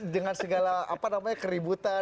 dengan segala keributan